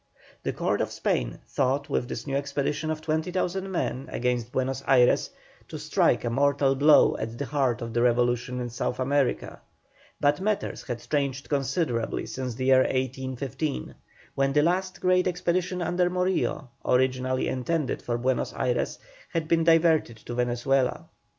The Court of Spain thought with this new expedition of 20,000 men against Buenos Ayres to strike a mortal blow at the heart of the revolution in South America; but matters had changed considerably since the year 1815, when the last great expedition under Morillo, originally intended for Buenos Ayres, had been diverted to Venezuela.